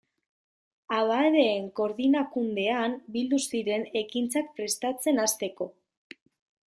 Abadeen Koordinakundean bildu ziren ekintzak prestatzen hasteko.